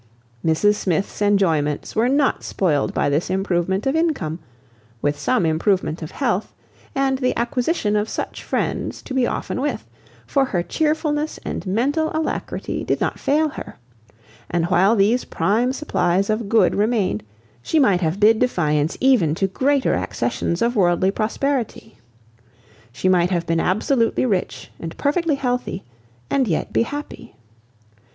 Mrs Smith's enjoyments were not spoiled by this improvement of income, with some improvement of health, and the acquisition of such friends to be often with, for her cheerfulness and mental alacrity did not fail her; and while these prime supplies of good remained, she might have bid defiance even to greater accessions of worldly prosperity. She might have been absolutely rich and perfectly healthy, and yet be happy.